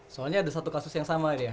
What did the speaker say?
soalnya ada satu kasus yang sama dia